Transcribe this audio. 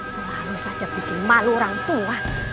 selalu saja bikin malu orang tua